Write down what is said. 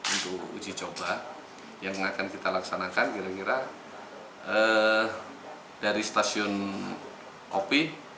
untuk uji coba yang akan kita laksanakan kira kira dari stasiun kopi